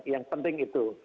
yang penting itu